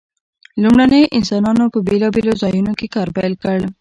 لومړنیو انسانانو په بیلابیلو ځایونو کې کار پیل کړ.